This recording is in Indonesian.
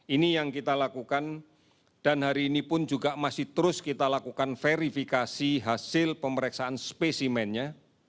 ini yang kita lakukan dan hari ini pun juga masih terus kita lakukan verifikasi hasil pemeriksaan spesimennya